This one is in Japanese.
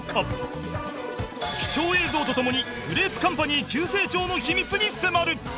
貴重映像とともにグレープカンパニー急成長の秘密に迫る！